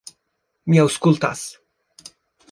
Mi aŭskultas...